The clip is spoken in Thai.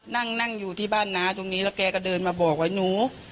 นั่งนั่งอยู่ที่บ้านน้าตรงนี้แล้วแกก็เดินมาบอกไว้หนู